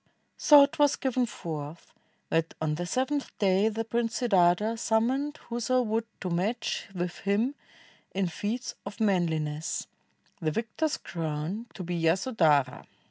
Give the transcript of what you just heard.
"' So "t was given forth that on the seventh day The Prince Siddartha summoned whoso would To match with him in feats of manliness, The \ ictor's crown to be Yasodhara.